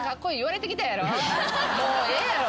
もうええやろ。